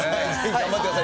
頑張ってください。